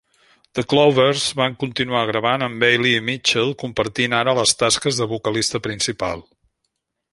The Clovers van continuar gravant amb Bailey i Mitchell compartint ara les tasques de vocalista principal.